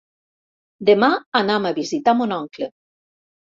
Demà anam a visitar mon oncle.